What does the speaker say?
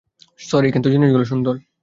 Sorry, কিন্তু জিনিসগুলো সুন্দর।